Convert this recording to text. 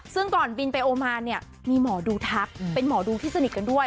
ซึ่งก่อนบินไปโอมานเนี่ยมีหมอดูทักเป็นหมอดูที่สนิทกันด้วย